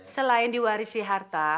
selain diwarisi harta